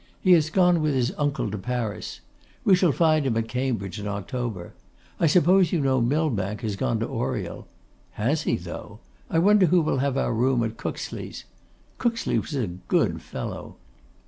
He has gone with his uncle to Paris. We shall find him at Cambridge in October. I suppose you know Millbank has gone to Oriel. Has he, though! I wonder who will have our room at Cookesley's? Cookesley was a good fellow!